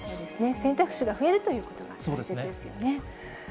選択肢が増えるということが大切ですよね。